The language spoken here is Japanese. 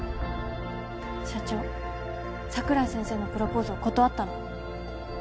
社長桜井先生のプロポーズを断ったの。